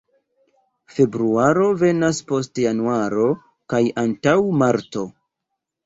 Februaro venas post januaro kaj antaŭ marto.